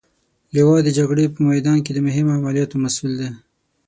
لوا د جګړې په میدان کې د مهمو عملیاتو مسئول دی.